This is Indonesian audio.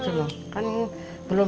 terunnya saya akan merottong bisnis